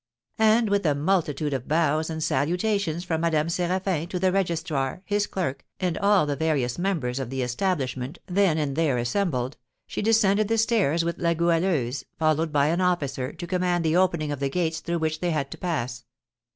And, with a multitude of bows and salutations from Madame Séraphin to the registrar, his clerk, and all the various members of the establishment then and there assembled, she descended the stairs with La Goualeuse, followed by an officer, to command the opening of the gates through which they had to pass.